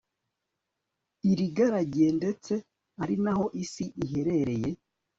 irigaragiye ndetse ari naho isi iherereye